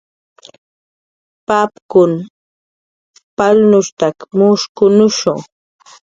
Papkun palnushstak mushkunushu